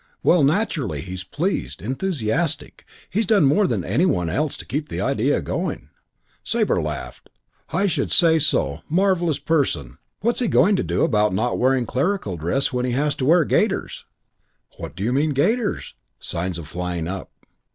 "Well, naturally, he's pleased enthusiastic. He's done more than any one else to keep the idea going." Sabre laughed. "I should say so! Marvellous person! What's he going to do about not wearing clerical dress when he has to wear gaiters?" "What do you mean gaiters?" Signs of flying up.